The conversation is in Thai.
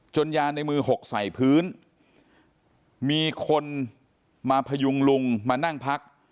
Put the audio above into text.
ยาในมือหกใส่พื้นมีคนมาพยุงลุงมานั่งพัก